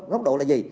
góc độ là gì